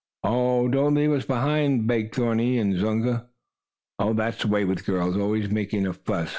"Oh, don't leave us behind," begged Thorny and Zunga. "Oh, that's the way with girls always making a fuss!"